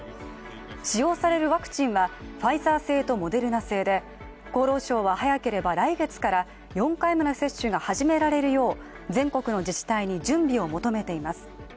使用されるワクチンはファイザー製とモデルナ製で、厚労省は早ければ来月から４回目の接種が始められるよう全国の自治体に準備を求めています。